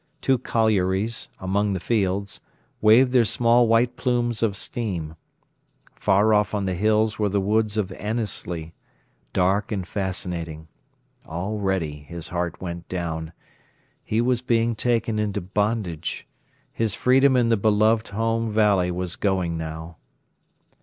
Two collieries, among the fields, waved their small white plumes of steam. Far off on the hills were the woods of Annesley, dark and fascinating. Already his heart went down. He was being taken into bondage. His freedom in the beloved home valley was going now.